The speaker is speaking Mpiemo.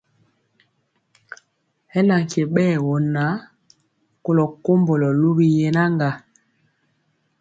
Hɛ na nkye ɓɛɛ wɔ na kolɔ kombɔlɔ luwi yenaŋga.